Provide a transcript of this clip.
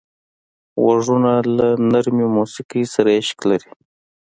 غوږونه له نرمه موسیقۍ سره عشق لري